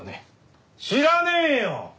知らねえよ！